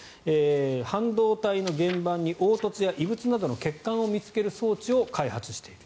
半導体の原版に凹凸や異物などの欠陥を見つける装置を開発している。